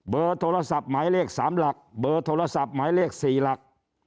เบอร์โทรศัพท์หมายเลข๓หลักเบอร์โทรศัพท์หมายเลข๔หลัก